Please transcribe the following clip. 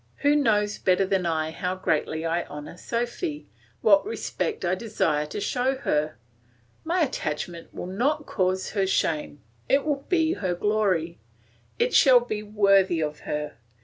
Who knows better than I how greatly I honour Sophy, what respect I desire to show her? My attachment will not cause her shame, it will be her glory, it shall be worthy of her.